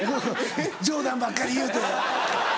冗談ばっかり言うて。